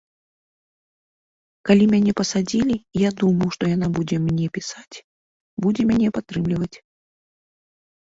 Калі мяне пасадзілі, я думаў, што яна будзе мне пісаць, будзе мяне падтрымліваць.